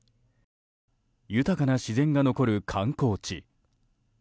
豊かな自然が残る観光地。